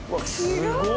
すごい。